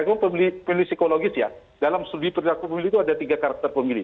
itu pemilih psikologis ya dalam studi perilaku pemilih itu ada tiga karakter pemilih